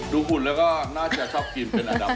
ดูหุ่นแล้วก็น่าจะชอบกินเป็นอันดับหนึ่งครับ